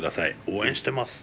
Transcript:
応援してます」。